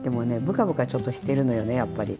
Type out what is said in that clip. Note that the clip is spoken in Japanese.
ぶかぶかちょっとしてるのよねやっぱり。